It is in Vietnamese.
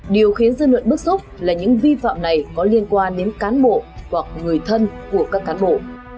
điều khiến dư luận bức xúc là những vi phạm này có liên quan đến cán bộ hoặc người thân của các cán bộ